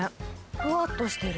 ふわっとしてる。